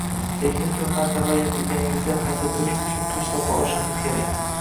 Lekin siz har safar yiqilganingizda qayta turish uchun kuch topa olishingiz kerak